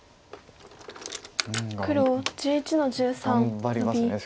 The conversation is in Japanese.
黒１１の十三ノビ。